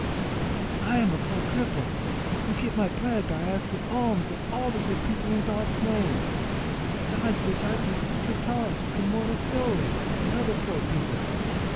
"I am a poor cripple, who get my bread by asking alms of all good people in God's name; besides which I teach the guitar to some moriscoes, and other poor people.